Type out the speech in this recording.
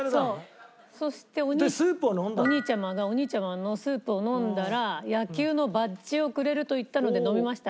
「そしておにいちゃまがおにいちゃまのスープをのんだらやきゅうのバッチをくれるといったのでのみました」